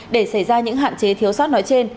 để xảy ra những hạn chế thiếu sót nói trên